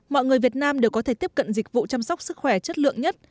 mọi người việt nam đều có thể tiếp cận dịch vụ chăm sóc sức khỏe chất lượng nhất